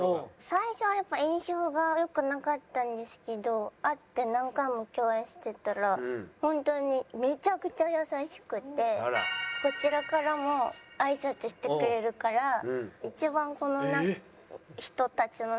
最初はやっぱ印象が良くなかったんですけど会って何回も共演してたらホントにめちゃくちゃ優しくてそちらからもあいさつしてくれるから一番この人たちの中では接しやすくて。